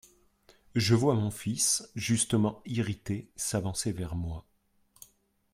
Je vois mon fils justement irrité s'avancer vers moi.